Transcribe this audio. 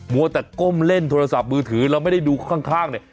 วัวแต่ก้มเล่นโทรศัพท์มือถือเราไม่ได้ดูข้างเนี่ย